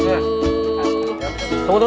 karena beringkatku nomor satu